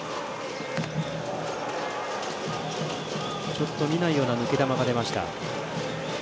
ちょっと見ないような抜け球が出ました。